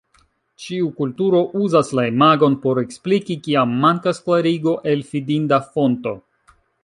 Ĉiu kulturo uzas la imagon por ekspliki, kiam mankas klarigo el fidinda fonto.